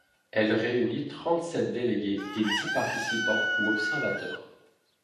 Elle réunit trente-sept délégués et dix participants ou observateurs.